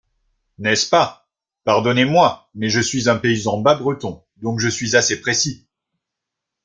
N’est-ce pas ? Pardonnez-moi, mais je suis un paysan bas-breton, donc je suis assez précis.